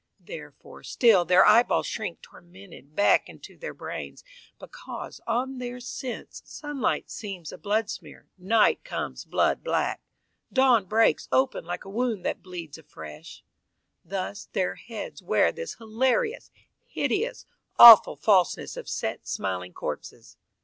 Therefore still their eyeballs shrink tormented Back into their brains, because on their sense Sunlight seems a bloodsmear; night comes blood black; Dawn breaks open like a wound that bleeds afresh Thus their heads wear this hilarious, hideous, Awful falseness of set smiling corpses.